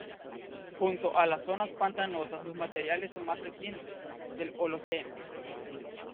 Junto a las zonas pantanosas los materiales son más recientes, del Holoceno.